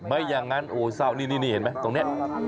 ไม่อย่างนั้นโอ้เศร้านี่เห็นไหมตรงนี้